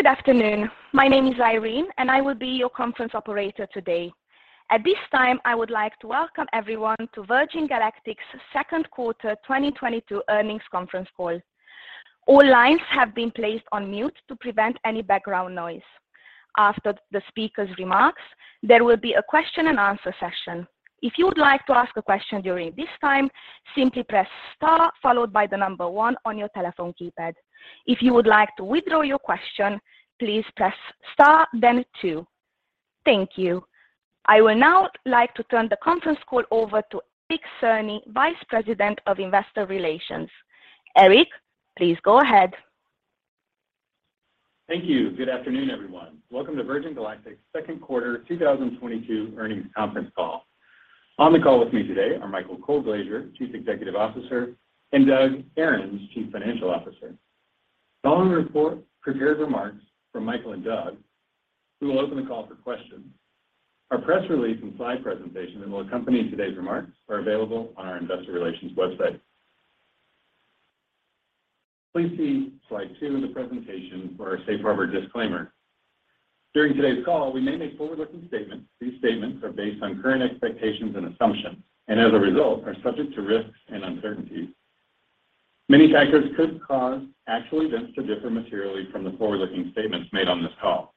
Good afternoon. My name is Irene, and I will be your conference operator today. At this time, I would like to welcome everyone to Virgin Galactic's second quarter 2022 earnings conference call. All lines have been placed on mute to prevent any background noise. After the speaker's remarks, there will be a question and answer session. If you would like to ask a question during this time, simply press star followed by the number one on your telephone keypad. If you would like to withdraw your question, please press star then two. Thank you. I will now like to turn the conference call over to Eric Cerny, Vice President of Investor Relations. Eric, please go ahead. Thank you. Good afternoon, everyone. Welcome to Virgin Galactic's second quarter 2022 earnings conference call. On the call with me today are Michael Colglazier, Chief Executive Officer; and Doug Ahrens, Chief Financial Officer. Following a report of prepared remarks from Michael and Doug, we will open the call for questions. Our press release and slide presentation that will accompany today's remarks are available on our Investor Relations website. Please see slide two in the presentation for our safe harbor disclaimer. During today's call, we may make forward-looking statements. These statements are based on current expectations and assumptions, and as a result, are subject to risks and uncertainties. Many factors could cause actual events to differ materially from the forward-looking statements made on this call.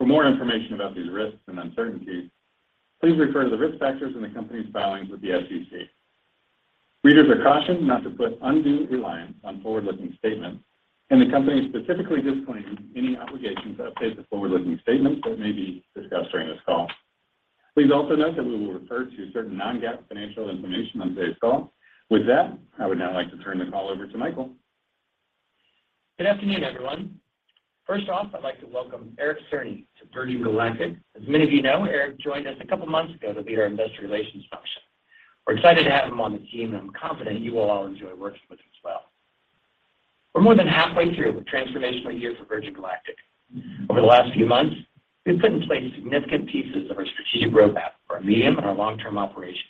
For more information about these risks and uncertainties, please refer to the risk factors in the company's filings with the SEC. Readers are cautioned not to put undue reliance on forward-looking statements, and the company specifically disclaims any obligation to update the forward-looking statements that may be discussed during this call. Please also note that we will refer to certain non-GAAP financial information on today's call. With that, I would now like to turn the call over to Michael. Good afternoon, everyone. First off, I'd like to welcome Eric Cerny to Virgin Galactic. As many of you know, Eric joined us a couple months ago to lead our Investor Relations function. We're excited to have him on the team, and I'm confident you will all enjoy working with him as well. We're more than halfway through a transformational year for Virgin Galactic. Over the last few months, we've put in place significant pieces of our strategic roadmap for our medium and our long-term operations.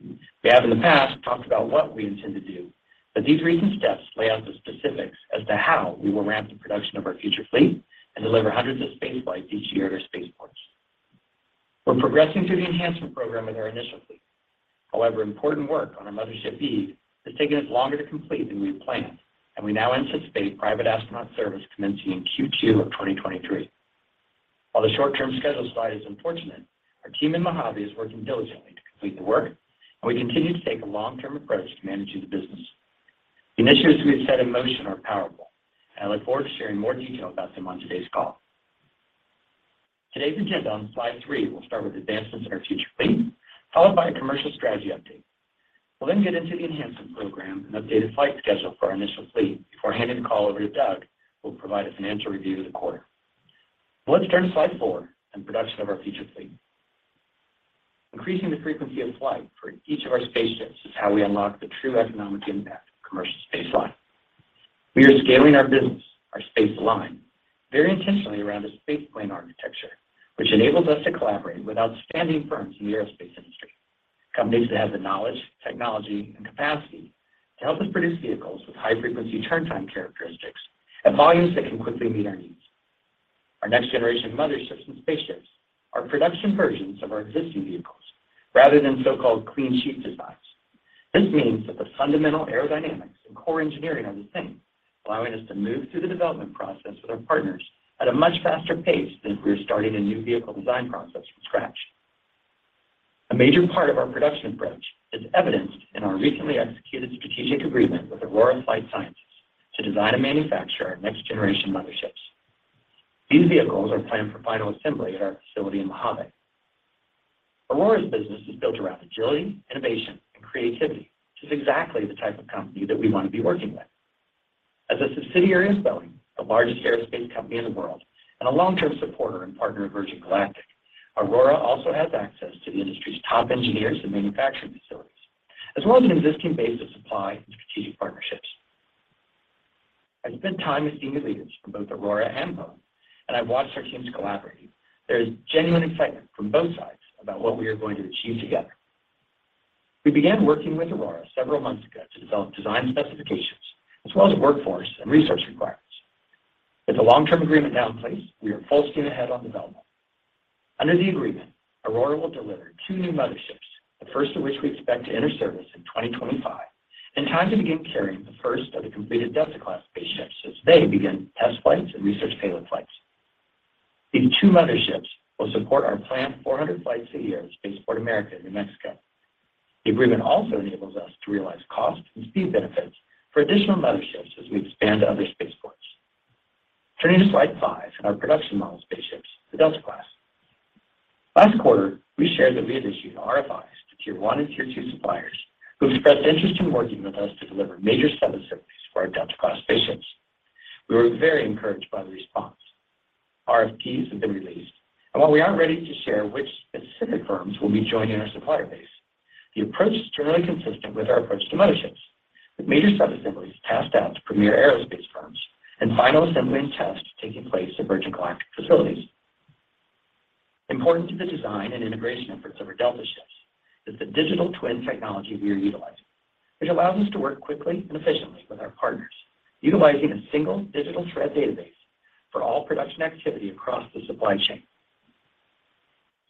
We have in the past talked about what we intend to do, but these recent steps lay out the specifics as to how we will ramp the production of our future fleet and deliver hundreds of space flights each year at our spaceports. We're progressing through the enhancement program with our initial fleet. However, important work on our mothership fleet has taken us longer to complete than we had planned, and we now anticipate private astronaut service commencing in Q2 of 2023. While the short-term schedule slide is unfortunate, our team in Mojave is working diligently to complete the work, and we continue to take a long-term approach to managing the business. The initiatives we have set in motion are powerful, and I look forward to sharing more detail about them on today's call. Today's agenda on slide three will start with advancements in our future fleet, followed by a commercial strategy update. We'll then get into the enhancement program and updated flight schedule for our initial fleet before handing the call over to Doug, who will provide a financial review of the quarter. Let's turn to slide four and production of our future fleet. Increasing the frequency of flight for each of our spaceships is how we unlock the true economic impact of commercial space flight. We are scaling our business, our Spaceline, very intentionally around a space plane architecture, which enables us to collaborate with outstanding firms in the aerospace industry, companies that have the knowledge, technology, and capacity to help us produce vehicles with high-frequency turn time characteristics at volumes that can quickly meet our needs. Our next generation motherships and spaceships are production versions of our existing vehicles rather than so-called clean sheet designs. This means that the fundamental aerodynamics and core engineering are the same, allowing us to move through the development process with our partners at a much faster pace than if we were starting a new vehicle design process from scratch. A major part of our production approach is evidenced in our recently executed strategic agreement with Aurora Flight Sciences to design and manufacture our next generation motherships. These vehicles are planned for final assembly at our facility in Mojave. Aurora's business is built around agility, innovation, and creativity, which is exactly the type of company that we want to be working with. As a subsidiary of Boeing, the largest aerospace company in the world, and a long-term supporter and partner of Virgin Galactic, Aurora also has access to the industry's top engineers and manufacturing facilities, as well as an existing base of supply and strategic partnerships. I spend time with senior leaders from both Aurora and Boeing, and I've watched our teams collaborate. There is genuine excitement from both sides about what we are going to achieve together. We began working with Aurora several months ago to develop design specifications as well as workforce and resource requirements. With the long-term agreement now in place, we are full steam ahead on development. Under the agreement, Aurora will deliver two new motherships, the first of which we expect to enter service in 2025, in time to begin carrying the first of the completed Delta-class spaceships as they begin test flights and research payload flights. These two motherships will support our planned 400 flights a year at Spaceport America, New Mexico. The agreement also enables us to realize cost and speed benefits for additional motherships as we expand to other spaceports. Turning to slide five and our production model spaceships, the Delta-class. Last quarter, we shared that we had issued RFIs to tier one and tier two suppliers who expressed interest in working with us to deliver major subassemblies for our Delta-class spaceships. We were very encouraged by the response. RFPs have been released, and while we aren't ready to share which specific firms will be joining our supplier base, the approach is generally consistent with our approach to motherships, with major subassemblies tasked out to premier aerospace firms and final assembly and test taking place at Virgin Galactic facilities. Important to the design and integration efforts of our Delta-class ships is the digital twin technology we are utilizing, which allows us to work quickly and efficiently with our partners, utilizing a single digital thread database for all production activity across the supply chain.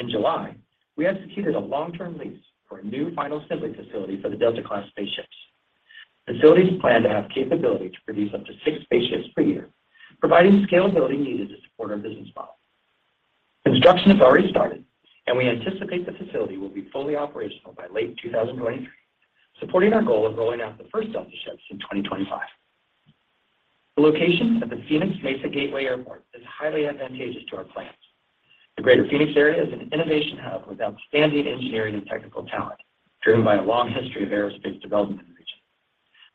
In July, we executed a long-term lease for a new final assembly facility for the Delta-class spaceships. Facilities plan to have capability to produce up to six spaceships per year, providing the scalability needed to support our business model. Construction has already started, and we anticipate the facility will be fully operational by late 2023, supporting our goal of rolling out the first Delta ships in 2025. The location of the Phoenix-Mesa Gateway Airport is highly advantageous to our plans. The greater Phoenix area is an innovation hub with outstanding engineering and technical talent, driven by a long history of aerospace development in the region.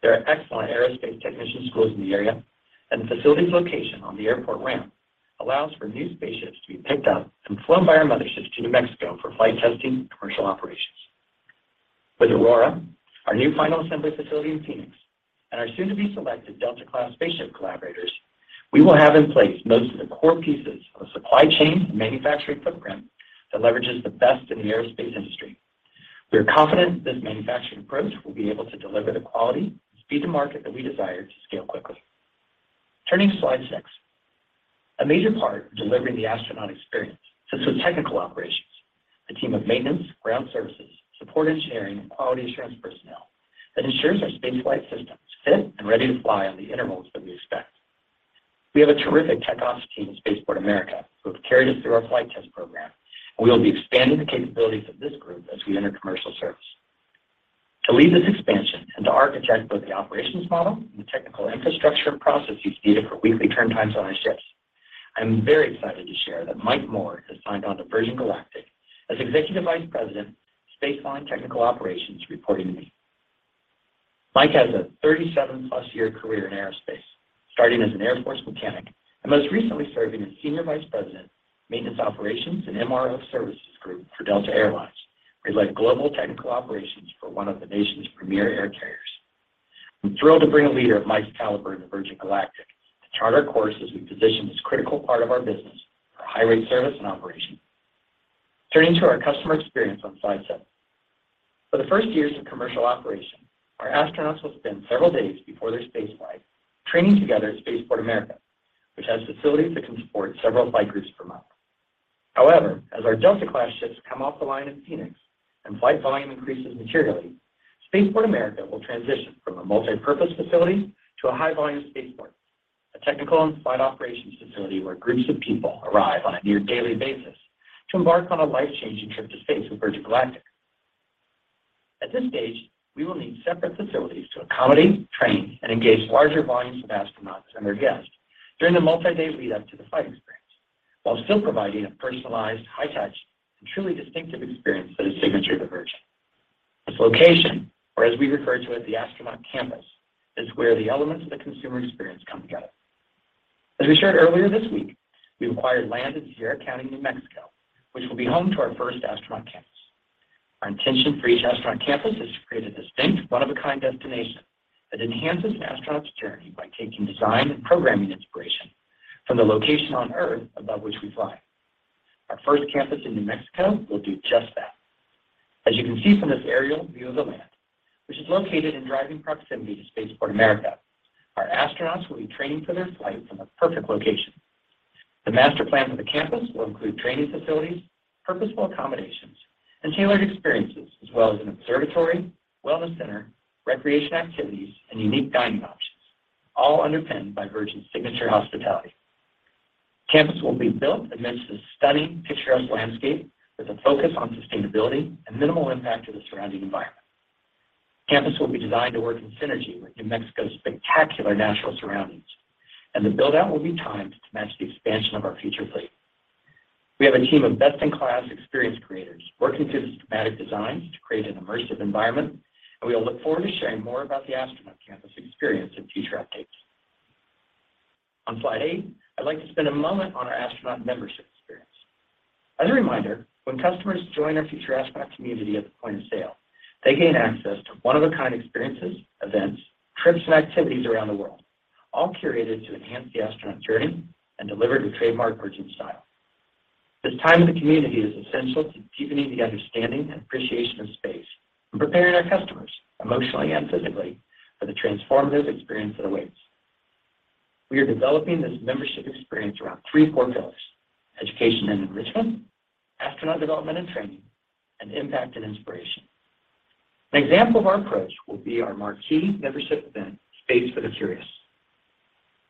There are excellent aerospace technician schools in the area, and the facility's location on the airport ramp allows for new spaceships to be picked up and flown by our motherships to New Mexico for flight testing and commercial operations. With Aurora, our new final assembly facility in Phoenix, and our soon-to-be-selected Delta-class spaceship collaborators, we will have in place most of the core pieces of a supply chain and manufacturing footprint that leverages the best in the aerospace industry. We are confident this manufacturing approach will be able to deliver the quality and speed to market that we desire to scale quickly. Turning to slide six. A major part of delivering the astronaut experience is the technical operations. A team of maintenance, ground services, support engineering, and quality assurance personnel that ensures our space flight systems fit and ready to fly on the intervals that we expect. We have a terrific tech ops team at Spaceport America who have carried us through our flight test program. We will be expanding the capabilities of this group as we enter commercial service. To lead this expansion and to architect both the operations model and the technical infrastructure and processes needed for weekly turn times on our ships, I am very excited to share that Mike Moore has signed on to Virgin Galactic as Executive Vice President, Spaceline Technical Operations, reporting to me. Mike has a 37+ year career in aerospace, starting as an Air Force mechanic and most recently serving as Senior Vice President, Maintenance Operations and MRO Services Group for Delta Air Lines, where he led global technical operations for one of the nation's premier air carriers. I'm thrilled to bring a leader of Mike's caliber to Virgin Galactic to chart our course as we position this critical part of our business for high-rate service and operation. Turning to our customer experience on slide seven. For the first years of commercial operation, our astronauts will spend several days before their spaceflight training together at Spaceport America, which has facilities that can support several flight groups per month. However, as our Delta-class ships come off the line in Phoenix and flight volume increases materially, Spaceport America will transition from a multipurpose facility to a high-volume spaceport. A technical and flight operations facility where groups of people arrive on a near-daily basis to embark on a life-changing trip to space with Virgin Galactic. At this stage, we will need separate facilities to accommodate, train, and engage larger volumes of astronauts and their guests during the multi-day lead-up to the flight experience, while still providing a personalized, high-touch, and truly distinctive experience that is signature to Virgin. This location, or as we refer to it, the Astronaut Campus, is where the elements of the consumer experience come together. As we shared earlier this week, we've acquired land in Sierra County, New Mexico, which will be home to our first Astronaut Campus. Our intention for each Astronaut Campus is to create a distinct, one-of-a-kind destination that enhances an astronaut's journey by taking design and programming inspiration from the location on Earth above which we fly. Our first campus in New Mexico will do just that. As you can see from this aerial view of the land, which is located in driving proximity to Spaceport America, our astronauts will be training for their flight from a perfect location. The master plan for the campus will include training facilities, purposeful accommodations, and tailored experiences, as well as an observatory, wellness center, recreation activities, and unique dining options, all underpinned by Virgin's signature hospitality. Campus will be built amidst this stunning picturesque landscape with a focus on sustainability and minimal impact to the surrounding environment. Campus will be designed to work in synergy with New Mexico's spectacular natural surroundings, and the build-out will be timed to match the expansion of our future fleet. We have a team of best-in-class experience creators working through systematic designs to create an immersive environment, and we will look forward to sharing more about the Astronaut Campus experience in future updates. On slide eight, I'd like to spend a moment on our astronaut membership experience. As a reminder, when customers join our Future Astronaut commUnity at the point of sale, they gain access to one-of-a-kind experiences, events, trips, and activities around the world, all curated to enhance the astronaut journey and delivered with trademark Virgin style. This time in the commUnity is essential to deepening the understanding and appreciation of space and preparing our customers, emotionally and physically, for the transformative experience that awaits. We are developing this membership experience around three core pillars: education and enrichment, astronaut development and training, and impact and inspiration. An example of our approach will be our marquee membership event, Space for the Curious.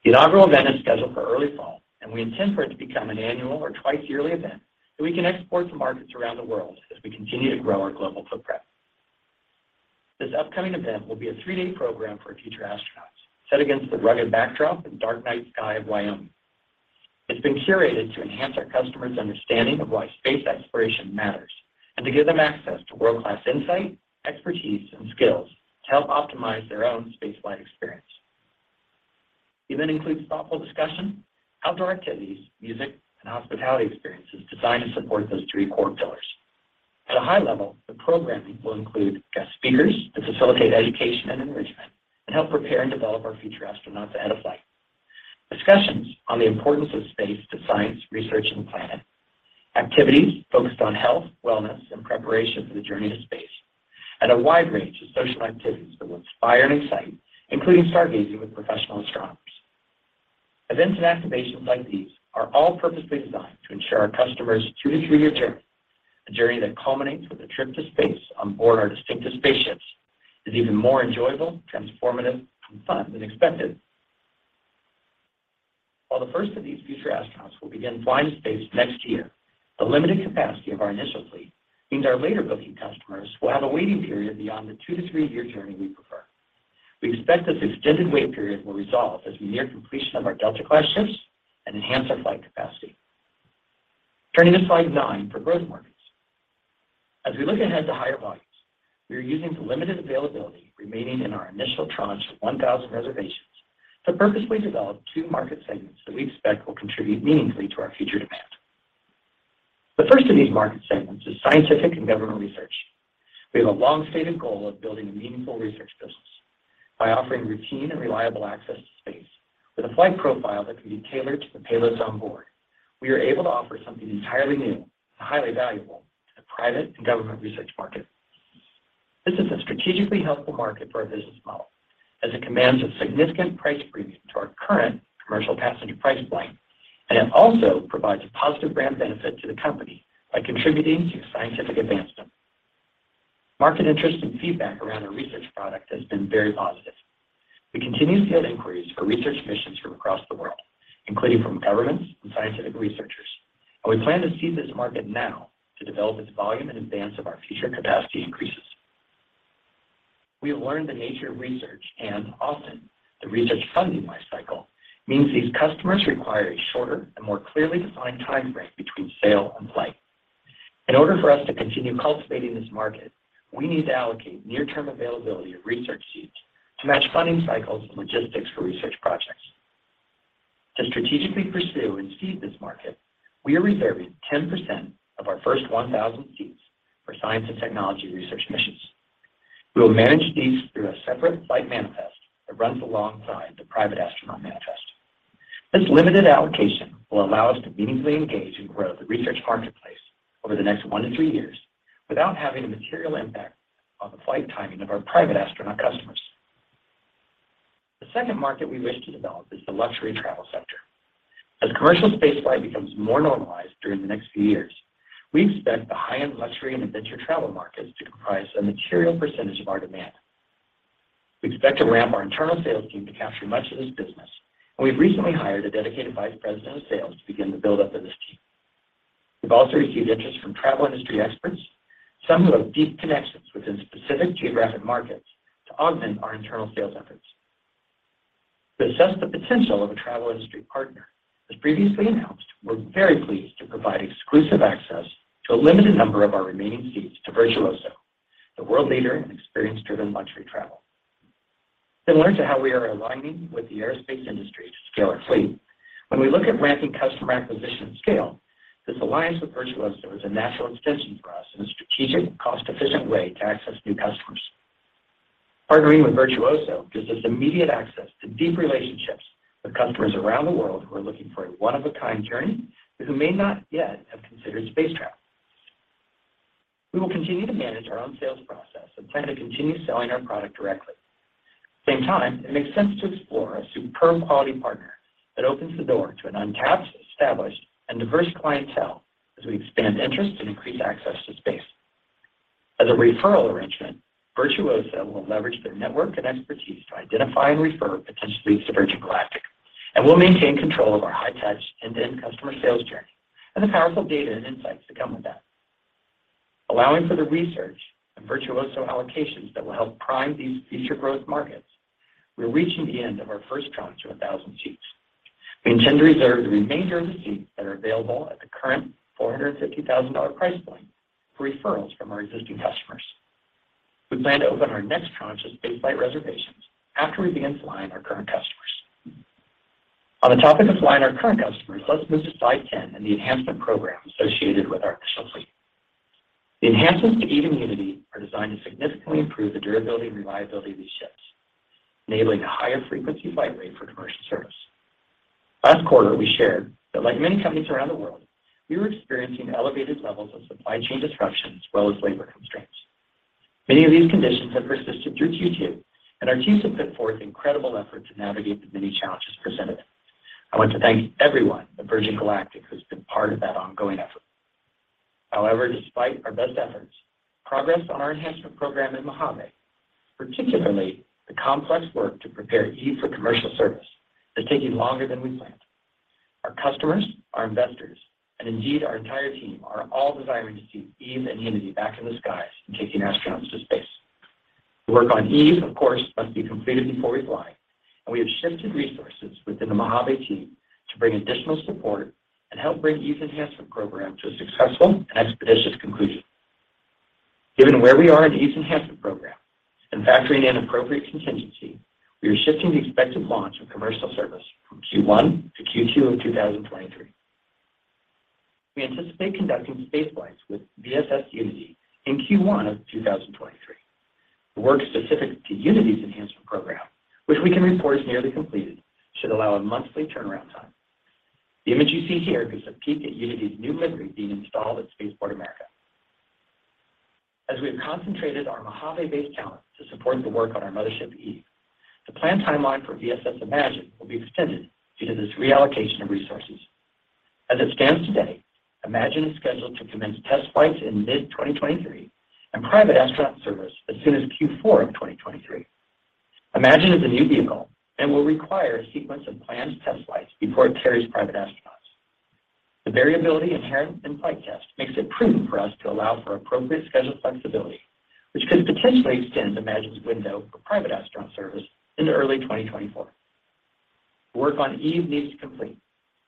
The inaugural event is scheduled for early fall, and we intend for it to become an annual or twice-yearly event that we can export to markets around the world as we continue to grow our global footprint. This upcoming event will be a three-day program for our Future Astronauts, set against the rugged backdrop and dark night sky of Wyoming. It's been curated to enhance our customers' understanding of why space exploration matters and to give them access to world-class insight, expertise, and skills to help optimize their own space flight experience. The event includes thoughtful discussion, outdoor activities, music, and hospitality experiences designed to support those three core pillars. At a high level, the programming will include guest speakers to facilitate education and enrichment and help prepare and develop our Future Astronauts ahead of flight. Discussions on the importance of space to science, research, and the planet. Activities focused on health, wellness, and preparation for the journey to space. A wide range of social activities that will inspire and excite, including stargazing with professional astronomers. Events and activations like these are all purposely designed to ensure our customers' two to three-year journey. A journey that culminates with a trip to space on board our distinctive spaceships is even more enjoyable, transformative, and fun than expected. While the first of these Future Astronauts will begin flying to space next year, the limited capacity of our initial fleet means our later booking customers will have a waiting period beyond the two to three-year journey we prefer. We expect this extended wait period will resolve as we near completion of our Delta-class ships and enhance our flight capacity. Turning to slide nine for growth markets. As we look ahead to higher volumes, we are using the limited availability remaining in our initial tranche of 1,000 reservations to purposely develop two market segments that we expect will contribute meaningfully to our future demand. The first of these market segments is scientific and government research. We have a long-stated goal of building a meaningful research business by offering routine and reliable access to space with a flight profile that can be tailored to the payloads on board. We are able to offer something entirely new and highly valuable to the private and government research market. This is a strategically helpful market for our business model as it commands a significant price premium to our current commercial passenger price point, and it also provides a positive brand benefit to the company by contributing to scientific advancement. Market interest and feedback around our research product has been very positive. We continue to get inquiries for research missions from across the world, including from governments and scientific researchers, and we plan to seed this market now to develop its volume in advance of our future capacity increases. We have learned the nature of research and often the research funding life cycle means these customers require a shorter and more clearly defined time frame between sale and flight. In order for us to continue cultivating this market, we need to allocate near-term availability of research seats to match funding cycles and logistics for research projects. To strategically pursue and seed this market, we are reserving 10% of our first 1,000 seats for science and technology research missions. We will manage these through a separate flight manifest that runs alongside the private astronaut manifest. This limited allocation will allow us to meaningfully engage and grow the research marketplace over the next one to three years without having a material impact on the flight timing of our private astronaut customers. The second market we wish to develop is the luxury travel sector. As commercial space flight becomes more normalized during the next few years, we expect the high-end luxury and adventure travel markets to comprise a material percentage of our demand. We expect to ramp our internal sales team to capture much of this business, and we've recently hired a dedicated Vice President of Sales to begin the buildup of this team. We've also received interest from travel industry experts, some who have deep connections within specific geographic markets to augment our internal sales efforts. To assess the potential of a travel industry partner, as previously announced, we're very pleased to provide exclusive access to a limited number of our remaining seats to Virtuoso, the world leader in experience-driven luxury travel. Similar to how we are aligning with the aerospace industry to scale our fleet, when we look at ramping customer acquisition and scale, this alliance with Virtuoso is a natural extension for us in a strategic and cost-efficient way to access new customers. Partnering with Virtuoso gives us immediate access to deep relationships with customers around the world who are looking for a one-of-a-kind journey, but who may not yet have considered space travel. We will continue to manage our own sales process and plan to continue selling our product directly. At the same time, it makes sense to explore a superb quality partner that opens the door to an untapped, established, and diverse clientele as we expand interest and increase access to space. As a referral arrangement, Virtuoso will leverage their network and expertise to identify and refer potentially to Virgin Galactic, and we'll maintain control of our high-touch end-to-end customer sales journey and the powerful data and insights that come with that. Allowing for the research and Virtuoso allocations that will help prime these future growth markets, we're reaching the end of our first tranche of 1,000 seats. We intend to reserve the remainder of the seats that are available at the current $450,000 price point for referrals from our existing customers. We plan to open our next tranche of space flight reservations after we begin flying our current customers. On the topic of flying our current customers, let's move to slide 10 and the enhancement program associated with our initial fleet. The enhancements to Eve and Unity are designed to significantly improve the durability and reliability of these ships, enabling a higher frequency flight rate for commercial service. Last quarter, we shared that like many companies around the world, we were experiencing elevated levels of supply chain disruption as well as labor constraints. Many of these conditions have persisted through Q2, and our teams have put forth incredible effort to navigate the many challenges presented. I want to thank everyone at Virgin Galactic who's been part of that ongoing effort. However, despite our best efforts, progress on our enhancement program in Mojave, particularly the complex work to prepare Eve for commercial service, is taking longer than we planned. Our customers, our investors, and indeed our entire team are all desiring to see Eve and Unity back in the skies and taking astronauts to space. The work on Eve, of course, must be completed before we fly, and we have shifted resources within the Mojave team to bring additional support and help bring Eve's enhancement program to a successful and expeditious conclusion. Given where we are in Eve's enhancement program. And factoring in appropriate contingency, we are shifting the expected launch of commercial service from Q1 to Q2 of 2023. We anticipate conducting space flights with VSS Unity in Q1 of 2023. The work specific to Unity's enhancement program, which we can report is nearly completed, should allow a monthly turnaround time. The image you see here gives a peek at Unity's new livery being installed at Spaceport America. As we have concentrated our Mojave-based talent to support the work on our mothership Eve, the planned timeline for VSS Imagine will be extended due to this reallocation of resources. As it stands today, Imagine is scheduled to commence test flights in mid-2023 and private astronaut service as soon as Q4 of 2023. Imagine is a new vehicle and will require a sequence of planned test flights before it carries private astronauts. The variability inherent in flight test makes it prudent for us to allow for appropriate schedule flexibility, which could potentially extend Imagine's window for private astronaut service into early 2024. The work on Eve needs to complete,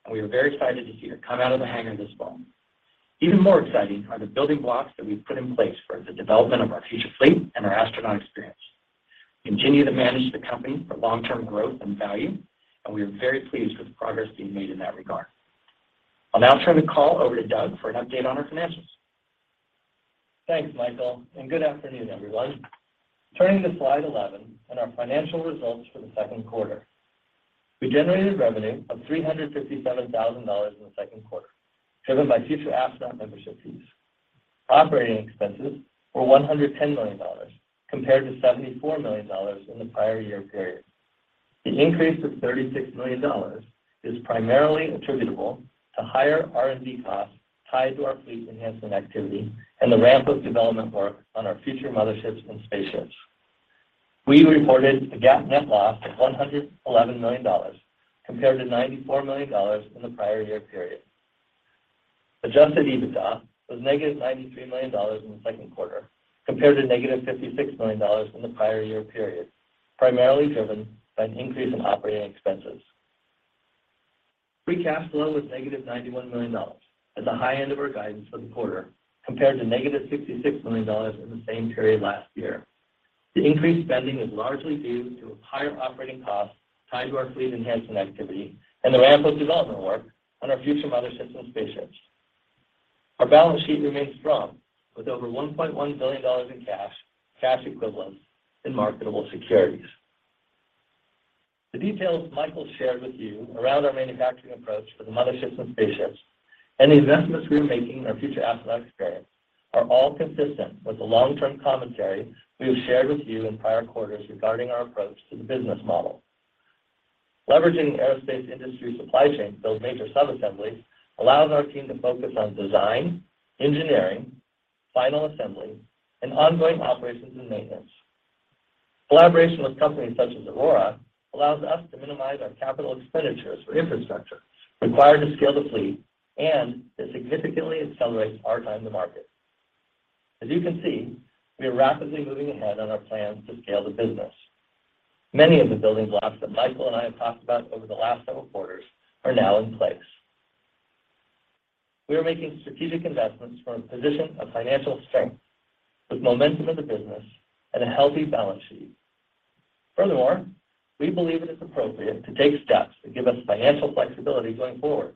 and we are very excited to see it come out of the hangar this fall. Even more exciting are the building blocks that we've put in place for the development of our future fleet and our astronaut experience. We continue to manage the company for long-term growth and value, and we are very pleased with the progress being made in that regard. I'll now turn the call over to Doug for an update on our financials. Thanks, Michael, and good afternoon, everyone. Turning to slide 11 and our financial results for the second quarter. We generated revenue of $357,000 in the second quarter, driven by Future Astronaut membership fees. Operating expenses were $110 million compared to $74 million in the prior year period. The increase of $36 million is primarily attributable to higher R&D costs tied to our fleet enhancement activity and the ramp of development work on our future motherships and spaceships. We reported a GAAP net loss of $111 million compared to $94 million in the prior year period. Adjusted EBITDA was $-93 million in the second quarter compared to $-56 million in the prior year period, primarily driven by an increase in operating expenses. Free cash flow was $-91 million at the high end of our guidance for the quarter, compared to $-66 million in the same period last year. The increased spending is largely due to higher operating costs tied to our fleet enhancement activity and the ramp of development work on our future motherships and spaceships. Our balance sheet remains strong with over $1.1 billion in cash equivalents, and marketable securities. The details Michael shared with you around our manufacturing approach for the motherships and spaceships and the investments we are making in our Future Astronaut experience are all consistent with the long-term commentary we have shared with you in prior quarters regarding our approach to the business model. Leveraging the aerospace industry supply chain to build major subassemblies allows our team to focus on design, engineering, final assembly, and ongoing operations and maintenance. Collaboration with companies such as Aurora allows us to minimize our capital expenditures for infrastructure required to scale the fleet and it significantly accelerates our time to market. As you can see, we are rapidly moving ahead on our plans to scale the business. Many of the building blocks that Michael and I have talked about over the last several quarters are now in place. We are making strategic investments from a position of financial strength with momentum of the business and a healthy balance sheet. Furthermore, we believe it is appropriate to take steps that give us financial flexibility going forward.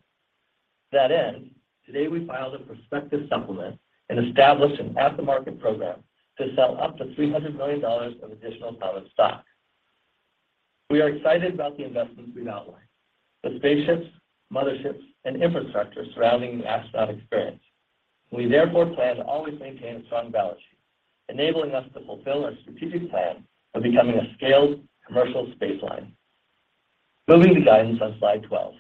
To that end, today we filed a prospectus supplement and established an at-the-market program to sell up to $300 million of additional common stock. We are excited about the investments we've outlined. The spaceships, motherships, and infrastructure surrounding the astronaut experience. We therefore plan to always maintain a strong balance sheet, enabling us to fulfill our strategic plan of becoming a scaled commercial Spaceline. Moving to guidance on slide 12.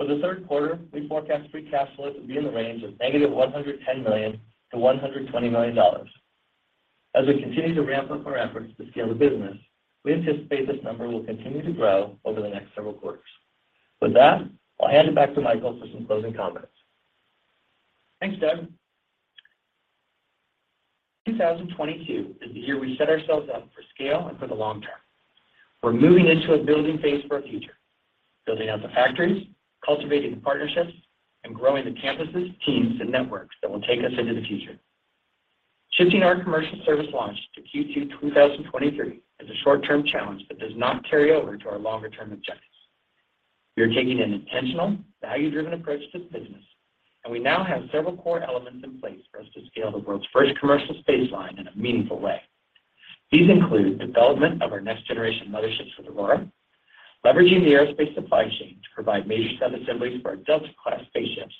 For the third quarter, we forecast free cash flow to be in the range of $-110 million to $-120 million. As we continue to ramp up our efforts to scale the business, we anticipate this number will continue to grow over the next several quarters. With that, I'll hand it back to Michael for some closing comments. Thanks, Doug. 2022 is the year we set ourselves up for scale and for the long term. We're moving into a building phase for our future, building out the factories, cultivating partnerships, and growing the campuses, teams, and networks that will take us into the future. Shifting our commercial service launch to Q2 2023 is a short-term challenge, but does not carry over to our longer-term objectives. We are taking an intentional, value-driven approach to the business, and we now have several core elements in place for us to scale the world's first commercial Spaceline in a meaningful way. These include development of our next-generation motherships with Aurora, leveraging the aerospace supply chain to provide major subassemblies for our Delta-class spaceships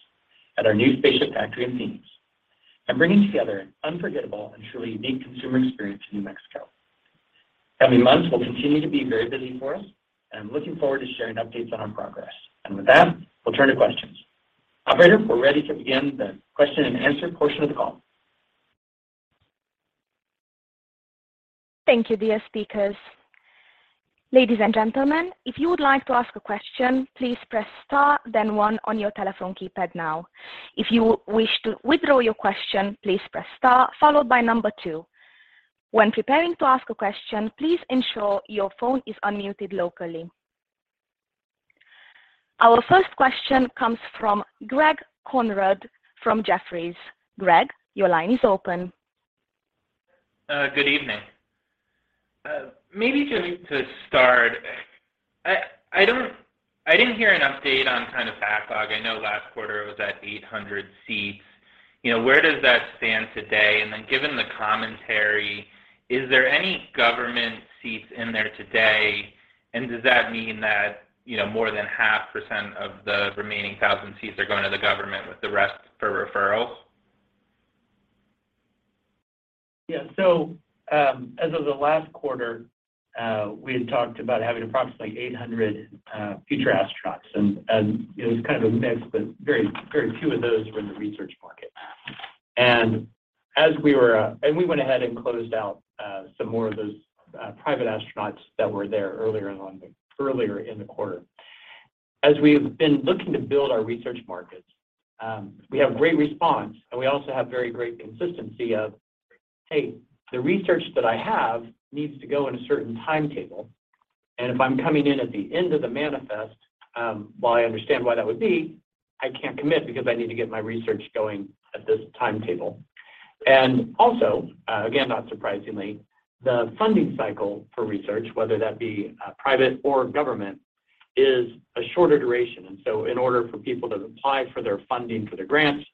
at our new spaceship factory in Mesa, and bringing together an unforgettable and truly unique consumer experience in New Mexico. The coming months will continue to be very busy for us, and I'm looking forward to sharing updates on our progress. With that, we'll turn to questions. Operator, we're ready to begin the question and answer portion of the call. Thank you, dear speakers. Ladies and gentlemen, if you would like to ask a question, please press star then one on your telephone keypad now. If you wish to withdraw your question, please press star followed by number two. When preparing to ask a question, please ensure your phone is unmuted locally. Our first question comes from Greg Konrad from Jefferies. Greg, your line is open. Good evening. Maybe just to start, I didn't hear an update on kind of backlog. I know last quarter it was at 800 seats. You know, where does that stand today? Then given the commentary, is there any government seats in there today? Does that mean that, you know, more than 0.5% of the remaining 1,000 seats are going to the government with the rest for referrals? As of the last quarter, we had talked about having approximately 800 Future Astronauts. It was kind of a mix, but very few of those were in the research market. We went ahead and closed out some more of those private astronauts that were there earlier in the quarter. As we've been looking to build our research market, we have great response, and we also have very great consistency of, "Hey, the research that I have needs to go in a certain timetable. If I'm coming in at the end of the manifest, while I understand why that would be, I can't commit because I need to get my research going at this timetable. Also, again, not surprisingly, the funding cycle for research, whether that be private or government, is a shorter duration. So in order for people to apply for their funding for their grants,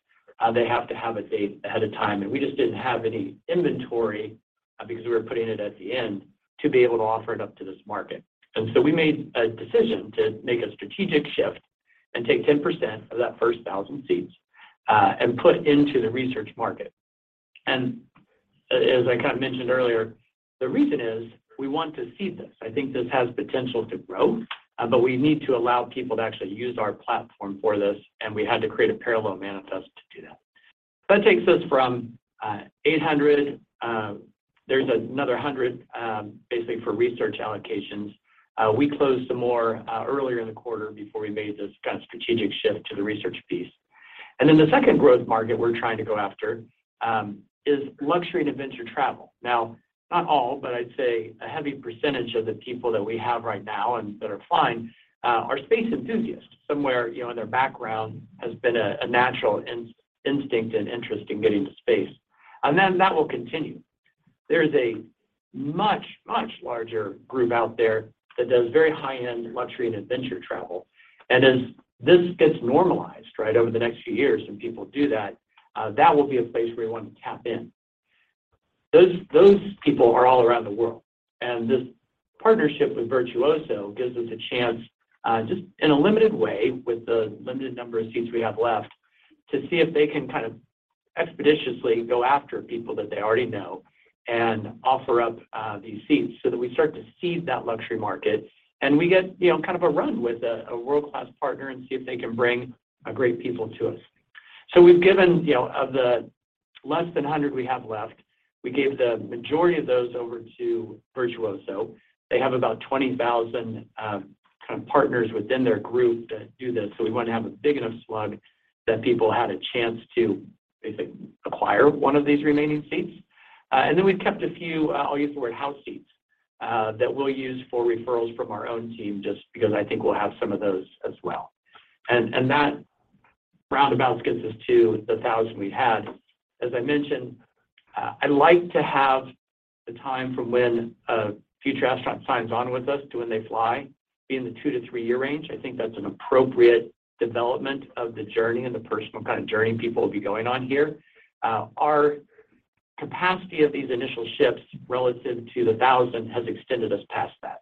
they have to have a date ahead of time. We just didn't have any inventory, because we were putting it at the end, to be able to offer it up to this market. So we made a decision to make a strategic shift and take 10% of that first 1,000 seats, and put into the research market. As I kind of mentioned earlier, the reason is we want to seed this. I think this has potential to grow, but we need to allow people to actually use our platform for this, and we had to create a parallel manifest to do that. That takes us from 800. There's another 100, basically for research allocations. We closed some more, earlier in the quarter before we made this kind of strategic shift to the research piece. The second growth market we're trying to go after is luxury and adventure travel. Now, not all, but I'd say a heavy percentage of the people that we have right now and that are flying are space enthusiasts. Somewhere, you know, in their background has been a natural instinct and interest in getting to space. That will continue. There is a much, much larger group out there that does very high-end luxury and adventure travel. As this gets normalized, right, over the next few years, and people do that will be a place where we want to tap in. Those people are all around the world, and this partnership with Virtuoso gives us a chance, just in a limited way, with the limited number of seats we have left, to see if they can kind of expeditiously go after people that they already know and offer up, these seats so that we start to seed that luxury market, and we get, you know, kind of a run with a world-class partner and see if they can bring, great people to us. We've given, you know, of the less than 100 we have left. We gave the majority of those over to Virtuoso. They have about 20,000 kind of partners within their group that do this. We want to have a big enough slug that people had a chance to basically acquire one of these remaining seats. We've kept a few. I'll use the word house seats that we'll use for referrals from our own team, just because I think we'll have some of those as well. That roundabout gets us to the 1,000 we had. As I mentioned, I'd like to have the time from when a Future Astronaut signs on with us to when they fly be in the two to three-year range. I think that's an appropriate development of the journey and the personal kind of journey people will be going on here. Our capacity of these initial ships relative to the 1,000 has extended us past that.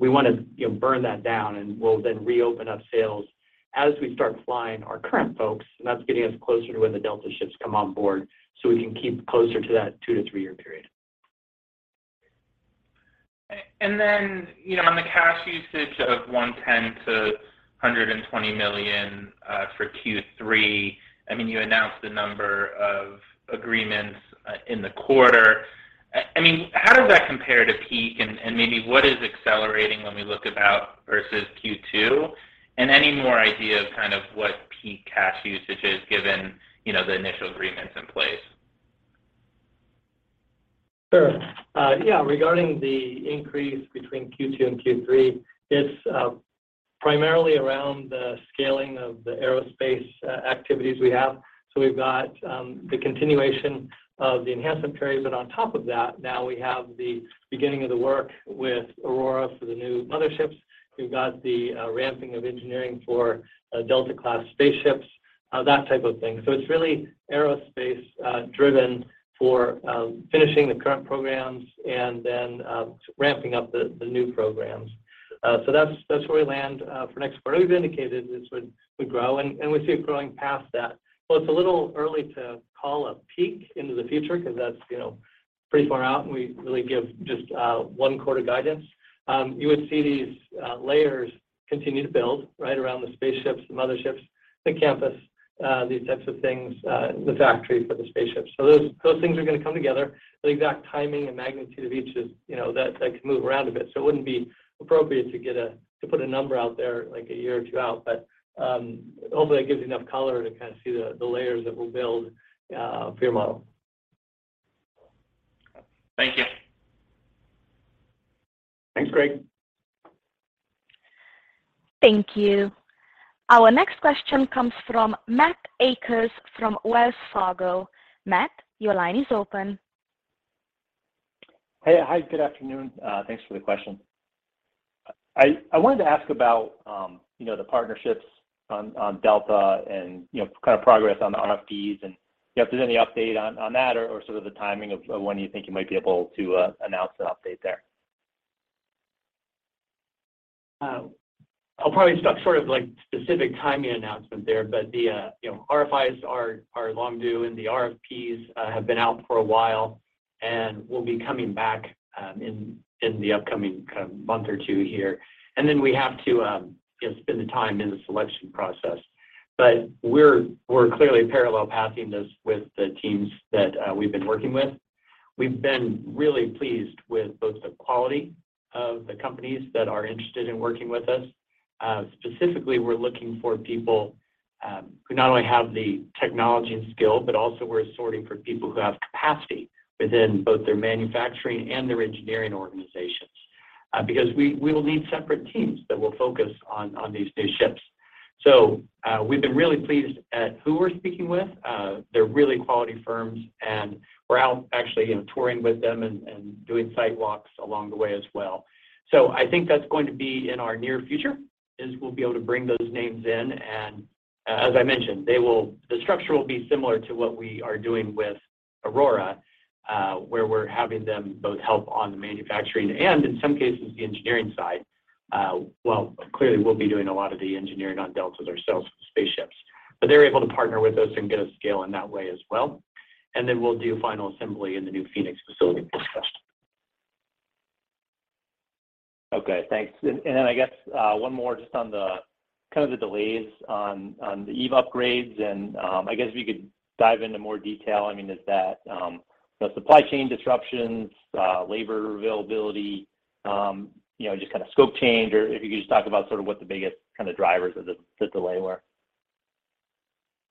We wanna, you know, burn that down, and we'll then reopen up sales as we start flying our current folks, and that's getting us closer to when the Delta ships come on board, so we can keep closer to that two to three-year period. you know, on the cash usage of $110 million-$120 million for Q3, I mean, you announced the number of agreements in the quarter. I mean, how does that compare to peak and maybe what is accelerating when we look about versus Q2? any more idea of kind of what peak cash usage is given, you know, the initial agreements in place? Sure. Yeah. Regarding the increase between Q2 and Q3, it's primarily around the scaling of the aerospace activities we have. We've got the continuation of the enhancement period, but on top of that, now we have the beginning of the work with Aurora for the new motherships. We've got the ramping of engineering for Delta-class spaceships, that type of thing. It's really aerospace driven for finishing the current programs and then ramping up the new programs. That's where we land for next quarter. We've indicated this would grow, and we see it growing past that. Well, it's a little early to call a peak into the future because that's, you know, pretty far out, and we really give just one quarter guidance. You would see these layers continue to build, right, around the spaceships, the motherships, the campus, these types of things, the factory for the spaceships. Those things are gonna come together. The exact timing and magnitude of each is, you know, that could move around a bit. It wouldn't be appropriate to put a number out there, like a year or two out. Hopefully that gives you enough color to kind of see the layers that we'll build for your model. Thank you. Thanks, Greg. Thank you. Our next question comes from Matthew Akers from Wells Fargo. Matt, your line is open. Hey. Hi, good afternoon. Thanks for the question. I wanted to ask about, you know, the partnerships on Delta and, you know, kind of progress on the RFPs. You know, if there's any update on that or sort of the timing of when you think you might be able to announce an update there. I'll probably start sort of like specific timing announcement there, but, you know, the RFIs are long due, and the RFPs have been out for a while, and we'll be coming back in the upcoming kind of month or two here. We have to you know spend the time in the selection process. We're clearly parallel pathing this with the teams that we've been working with. We've been really pleased with both the quality of the companies that are interested in working with us. Specifically, we're looking for people who not only have the technology and skill, but also we're sorting for people who have capacity within both their manufacturing and their engineering organizations. Because we will need separate teams that will focus on these new ships. We've been really pleased with who we're speaking with. They're really quality firms, and we're out actually, you know, touring with them and doing site walks along the way as well. I think that's going to be in our near future, is we'll be able to bring those names in, and as I mentioned, the structure will be similar to what we are doing with Aurora, where we're having them both help on the manufacturing and in some cases the engineering side. Well, clearly we'll be doing a lot of the engineering on Deltas ourselves with the spaceships. They're able to partner with us and get us scale in that way as well, and then we'll do final assembly in the new Phoenix facility we discussed. Okay, thanks. Then I guess one more just on the kind of the delays on the Eve upgrades and I guess if you could dive into more detail. I mean, is that the supply chain disruptions, labor availability, you know, just kind of scope change or if you could just talk about sort of what the biggest kind of drivers of the delay were.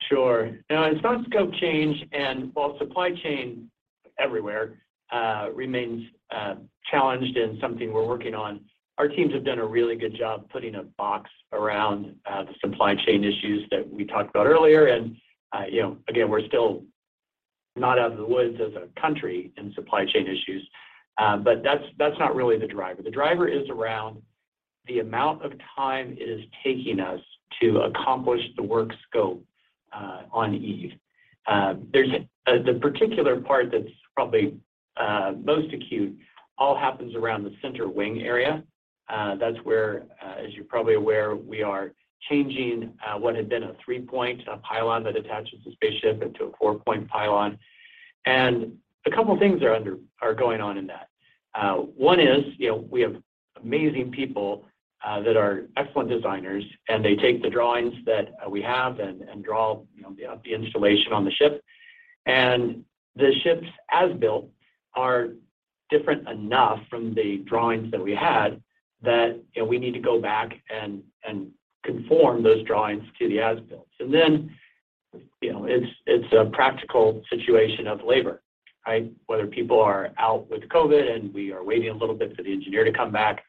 Sure. Now in terms of scope change, and while supply chain everywhere remains challenged and something we're working on, our teams have done a really good job putting a box around the supply chain issues that we talked about earlier. You know, again, we're still not out of the woods as a country in supply chain issues. But that's not really the driver. The driver is around the amount of time it is taking us to accomplish the work scope on Eve. The particular part that's probably most acute all happens around the center wing area. That's where, as you're probably aware, we are changing what had been a three-point pylon that attaches the spaceship into a four-point pylon. A couple things are going on in that. One is, you know, we have amazing people that are excellent designers, and they take the drawings that we have and draw, you know, the installation on the ship. The ships as-built are different enough from the drawings that we had that, you know, we need to go back and conform those drawings to the as-builts. Then, you know, it's a practical situation of labor, right? Whether people are out with COVID, and we are waiting a little bit for the engineer to come back.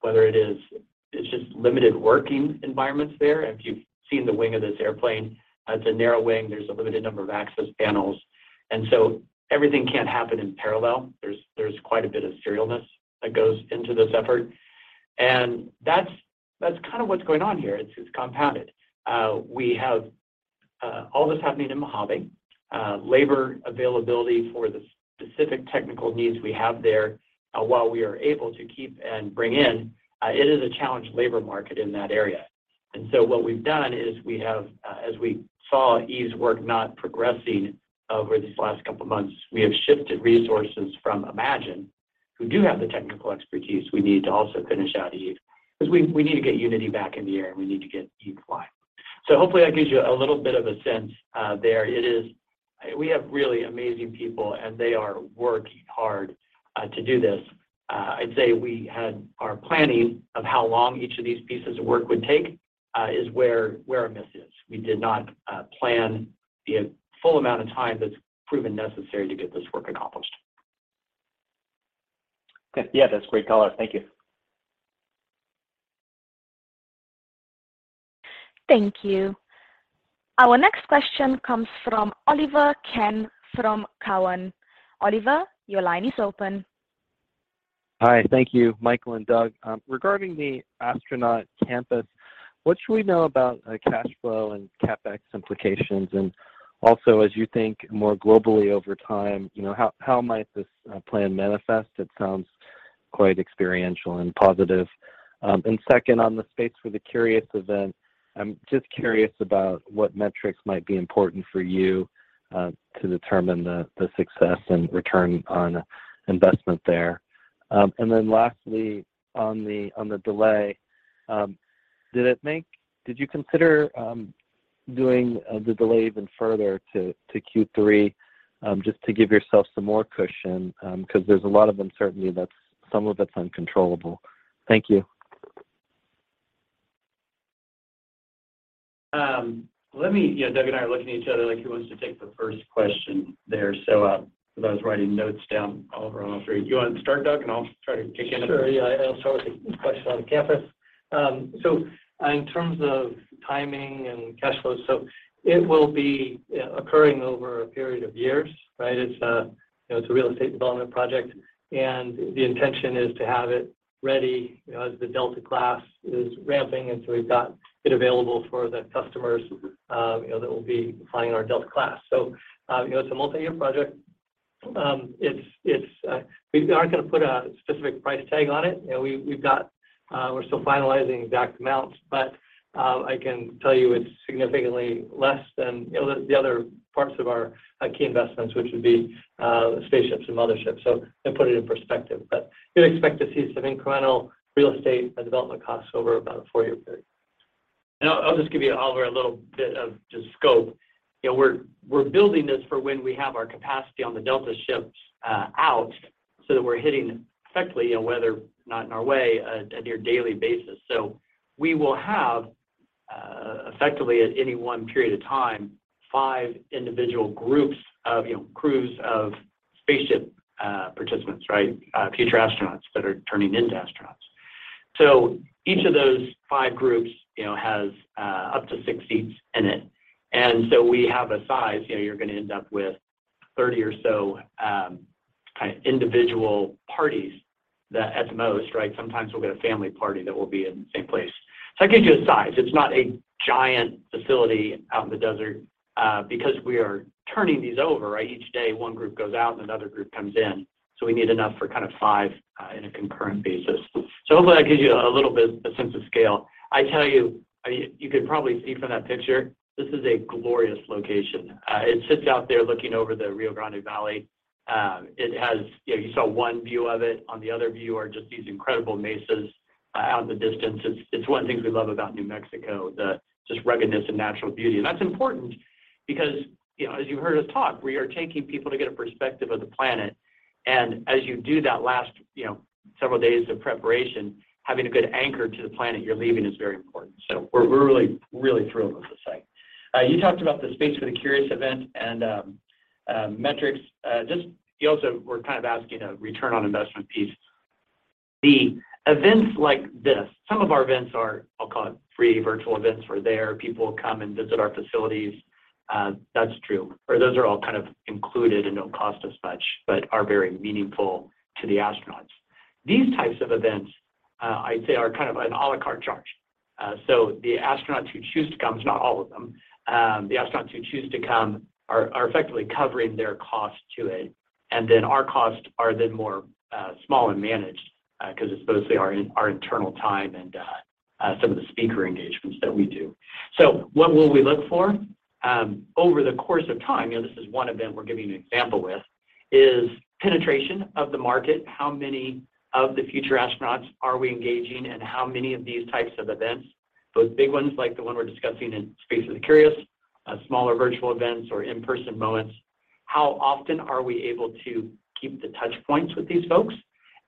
Whether it is, it's just limited working environments there. If you've seen the wing of this airplane, it's a narrow wing. There's a limited number of access panels. Everything can't happen in parallel. There's quite a bit of serial-ness that goes into this effort. That's kind of what's going on here. It's compounded. We have all this happening in Mojave. Labor availability for the specific technical needs we have there, while we are able to keep and bring in, it is a challenged labor market in that area. What we've done is, as we saw Eve's work not progressing over these last couple months, we have shifted resources from Imagine who do have the technical expertise we need to also finish out Eve. Because we need to get Unity back in the air, and we need to get Eve flying. Hopefully that gives you a little bit of a sense there. It is. We have really amazing people, and they are working hard to do this. I'd say we had our planning of how long each of these pieces of work would take is where our miss is. We did not plan the full amount of time that's proven necessary to get this work accomplished. Yeah, that's great color. Thank you. Thank you. Our next question comes from Oliver Chen from Cowen. Oliver, your line is open. Hi. Thank you, Michael and Doug. Regarding the Astronaut Campus, what should we know about cash flow and CapEx implications? As you think more globally over time, you know, how might this plan manifest? It sounds quite experiential and positive. Second, on the Space for the Curious event, I'm just curious about what metrics might be important for you to determine the success and return on investment there. Then lastly, on the delay, did you consider doing the delay even further to Q3 just to give yourself some more cushion? 'Cause there's a lot of uncertainty that's, some of it's uncontrollable. Thank you. Let me, yeah, Doug and I are looking at each other like who wants to take the first question there. Because I was writing notes down, Oliver, I'm not sure. Do you want to start, Doug, and I'll try to kick in. Sure, yeah. I'll start with the question on the campus. In terms of timing and cash flow, it will be occurring over a period of years, right? It's a real estate development project, and the intention is to have it ready, you know, as the Delta-class is ramping, and we've got it available for the customers, you know, that will be flying our Delta-class. You know, it's a multi-year project. We aren't going to put a specific price tag on it. You know, we've got, we're still finalizing exact amounts, but I can tell you it's significantly less than, you know, the other parts of our key investments, which would be spaceships and motherships. To put it in perspective. you'd expect to see some incremental real estate and development costs over about a four-year period. I'll just give you, Oliver, a little bit of just scope. You know, we're building this for when we have our capacity on the Delta ships out so that we're hitting effectively, you know, whether or not in our way on a near-daily basis. We will have effectively at any one period of time, five individual groups of, you know, crews of spaceship participants, right? Future Astronauts that are turning into astronauts. Each of those five groups, you know, has up to six seats in it. We have a size, you know, you're going to end up with 30 or so kind of individual parties that at the most, right? Sometimes we'll get a family party that will be in the same place. That gives you a size. It's not a giant facility out in the desert, because we are turning these over, right? Each day one group goes out and another group comes in. So we need enough for kind of five in a concurrent basis. So hopefully that gives you a little bit a sense of scale. I tell you, I mean, you can probably see from that picture, this is a glorious location. It sits out there looking over the Rio Grande Valley. It has. You know, you saw one view of it. On the other view are just these incredible mesas out in the distance. It's one of the things we love about New Mexico, the just ruggedness and natural beauty. That's important because, you know, as you heard us talk, we are taking people to get a perspective of the planet. As you do that last, you know, several days of preparation, having a good anchor to the planet you're leaving is very important. We're really thrilled with the site. You talked about the Space for the Curious event and metrics. Just you also were kind of asking a return on investment piece. The events like this, some of our events are, I'll call it free virtual events. We're there. People come and visit our facilities. That's true. Or those are all kind of included and don't cost us much, but are very meaningful to the astronauts. These types of events, I'd say are kind of an à la carte charge. So the astronauts who choose to come, it's not all of them, the astronauts who choose to come are effectively covering their cost to it. Our costs are then more small and managed because it's mostly our internal time and some of the speaker engagements that we do. What will we look for? Over the course of time, you know, this is one event we're giving you an example with, is penetration of the market. How many of the Future Astronauts are we engaging, and how many of these types of events, both big ones like the one we're discussing in Space for the Curious, smaller virtual events or in-person moments, how often are we able to keep the touchpoints with these folks?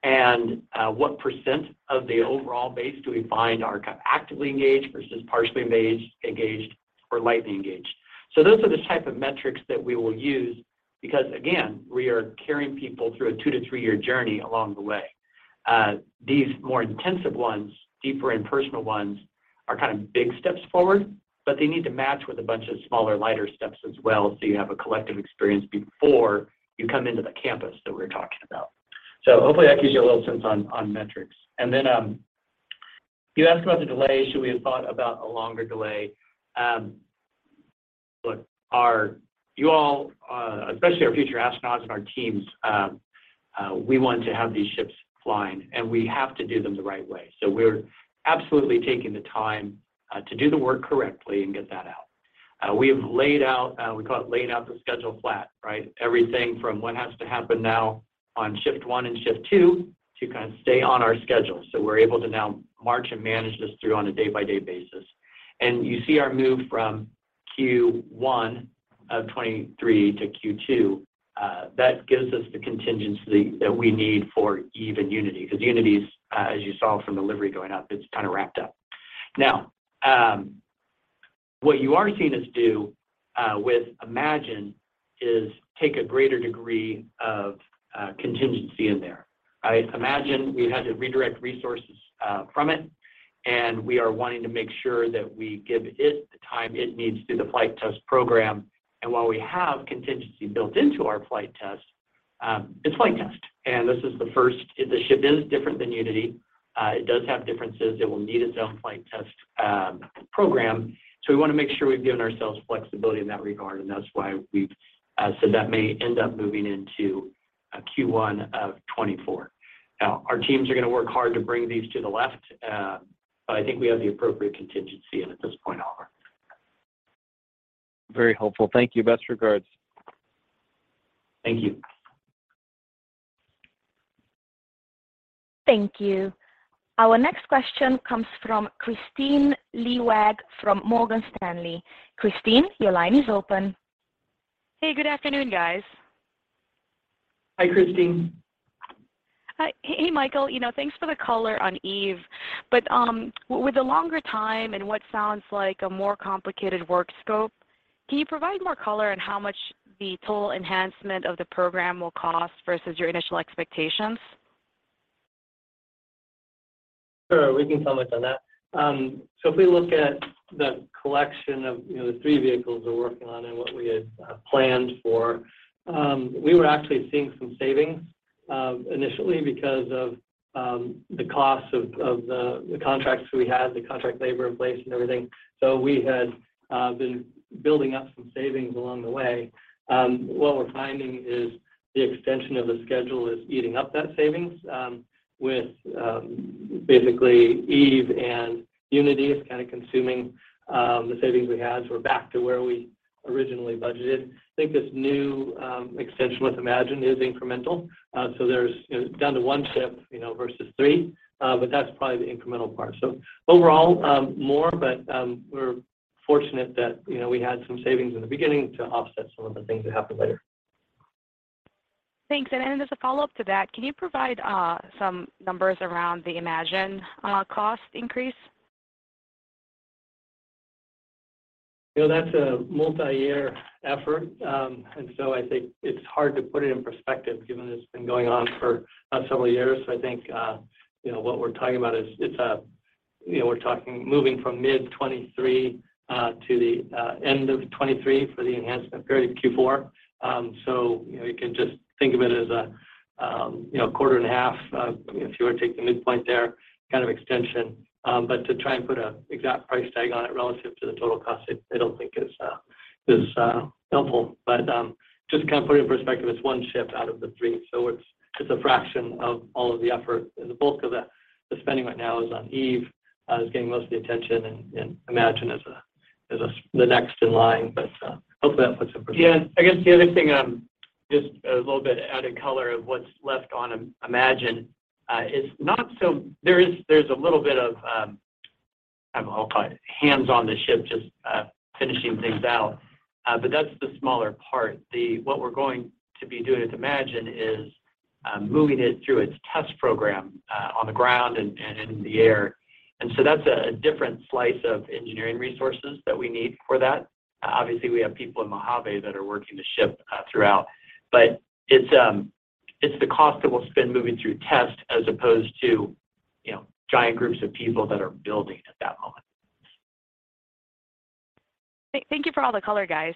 What % of the overall base do we find are kind of actively engaged versus partially engaged or lightly engaged? Those are the type of metrics that we will use because, again, we are carrying people through a two to three-year journey along the way. These more intensive ones, deeper and personal ones are kind of big steps forward, but they need to match with a bunch of smaller, lighter steps as well, so you have a collective experience before you come into the campus that we're talking about. Hopefully that gives you a little sense on metrics. You asked about the delay. Should we have thought about a longer delay? Look, you all, especially our Future Astronauts and our teams, we want to have these ships flying, and we have to do them the right way. We're absolutely taking the time to do the work correctly and get that out. We have laid out, we call it laying out the schedule flat, right? Everything from what has to happen now on shift one and shift two to kind of stay on our schedule. We're able to now march and manage this through on a day-by-day basis. You see our move from Q1 of 2023 to Q2, that gives us the contingency that we need for Eve and Unity because Unity's, as you saw from delivery going up, it's kind of wrapped up. Now, what you are seeing us do with Imagine is take a greater degree of contingency in there. Right? Imagine we've had to redirect resources from it, and we are wanting to make sure that we give it the time it needs through the flight test program. While we have contingency built into our flight test, the ship is different than Unity. It does have differences. It will need its own flight test program. We want to make sure we've given ourselves flexibility in that regard, and that's why we've said that may end up moving into Q1 of 2024. Our teams are going to work hard to bring these to the left, but I think we have the appropriate contingency in at this point, Oliver. Very helpful. Thank you. Best regards. Thank you. Thank you. Our next question comes from Kristine Liwag from Morgan Stanley. Kristine, your line is open. Hey, good afternoon, guys. Hi, Kristine. Hi. Hey, Michael. You know, thanks for the color on Eve. With the longer time and what sounds like a more complicated work scope, can you provide more color on how much the total enhancement of the program will cost versus your initial expectations? Sure. We can comment on that. If we look at the collection of, you know, the three vehicles we're working on and what we had planned for, we were actually seeing some savings initially because of the cost of the contracts we had, the contract labor in place and everything. We had been building up some savings along the way. What we're finding is the extension of the schedule is eating up that savings with basically Eve and Unity is kind of consuming the savings we had, so we're back to where we originally budgeted. I think this new extension with Imagine is incremental. There's, you know, down to one ship, you know, versus three. That's probably the incremental part. Overall, we're fortunate that, you know, we had some savings in the beginning to offset some of the things that happened later. Thanks. As a follow-up to that, can you provide some numbers around the Imagine cost increase? You know, that's a multi-year effort. I think it's hard to put it in perspective given that it's been going on for several years. I think, you know, what we're talking about is it's, you know, we're talking moving from mid 2023, to the, end of 2023 for the enhancement period Q4. You know, you can just think of it as a, you know, quarter and a half, if you were to take the midpoint there kind of extension. To try and put an exact price tag on it relative to the total cost, I don't think is helpful. Just to kind of put it in perspective, it's one ship out of the three, so it's a fraction of all of the effort. The bulk of the spending right now is on Eve, is getting most of the attention, and Imagine is the next in line. Hopefully that puts it- Yeah. I guess the other thing, just a little bit added color of what's left on Imagine, is not so. There's a little bit of, I'll call it hands on the ship just finishing things out. But that's the smaller part. What we're going to be doing with Imagine is moving it through its test program on the ground and in the air. That's a different slice of engineering resources that we need for that. Obviously, we have people in Mojave that are working the ship throughout, but it's the cost that we'll spend moving through test as opposed to, you know, giant groups of people that are building at that moment. Thank you for all the color, guys.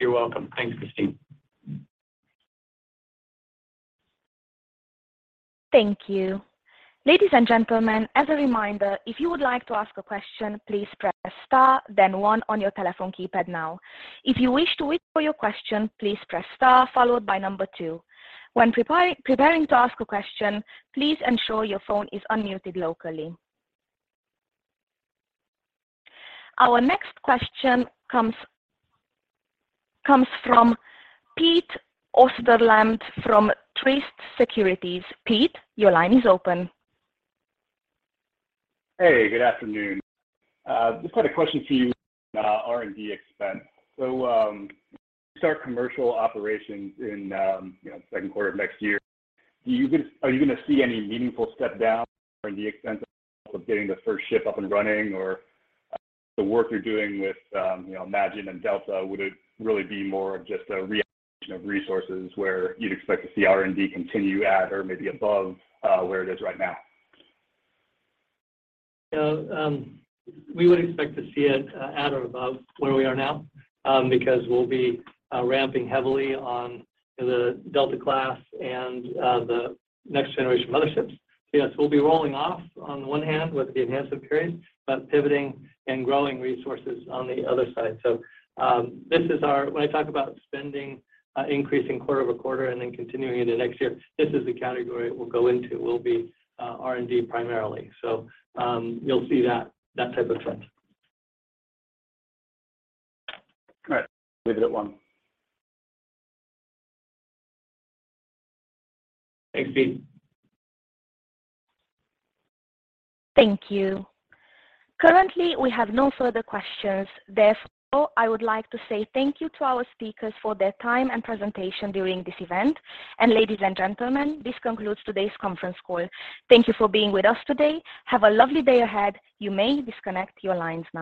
You're welcome. Thanks, Christine. Thank you. Ladies and gentlemen, as a reminder, if you would like to ask a question, please press star then one on your telephone keypad now. If you wish to withdraw your question, please press star followed by number two. When preparing to ask a question, please ensure your phone is unmuted locally. Our next question comes from Peter Osterland from Truist Securities. Pete, your line is open. Hey, good afternoon. Just had a question for you on R&D expense. You start commercial operations in, you know, second quarter of next year. Are you gonna see any meaningful step down in R&D expense from getting the first ship up and running? Or the work you're doing with, you know, Imagine and Delta, would it really be more of just a reallocation of resources where you'd expect to see R&D continue at or maybe above where it is right now? You know, we would expect to see it at or above where we are now because we'll be ramping heavily on, you know, the Delta-class and the next generation of motherships. Yes, we'll be rolling off on the one hand with the enhancement period, but pivoting and growing resources on the other side. When I talk about spending increasing quarter-over-quarter and then continuing into next year, this is the category it will go into, will be R&D primarily. You'll see that type of trend. All right. Leave it at one. Thanks, Pete. Thank you. Currently, we have no further questions. Therefore, I would like to say thank you to our speakers for their time and presentation during this event. Ladies and gentlemen, this concludes today's conference call. Thank you for being with us today. Have a lovely day ahead. You may disconnect your lines now.